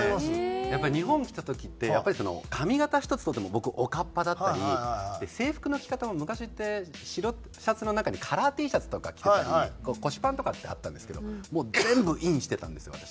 やっぱり日本来た時ってやっぱりその髪形ひとつ取っても僕おかっぱだったり制服の着方も昔って白シャツの中にカラーＴシャツとか着てたり腰パンとかってあったんですけどもう全部インしてたんですよ私。